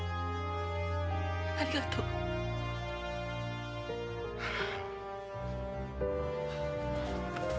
ありがとう。はあ。